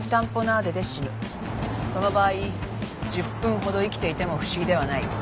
その場合１０分ほど生きていても不思議ではない。